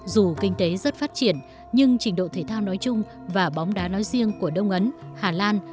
dù kinh tế rất phát triển nhưng trình độ thể thao nói chung và bóng đá nói riêng của đông ấn hà lan